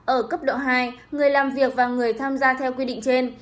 ở cấp độ hai người làm việc và người tham gia theo quy định trên